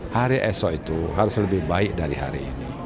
hari esok itu harus lebih baik dari hari ini